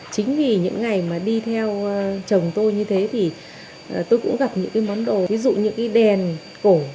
chính vì những ngày mà đi theo chồng tôi như thế thì tôi cũng gặp những cái món đồ ví dụ như cái đèn cổ